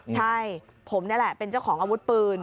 ใช่ผมนี่แหละเป็นเจ้าของอาวุธปืน